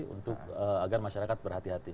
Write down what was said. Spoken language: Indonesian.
untuk agar masyarakat berhati hati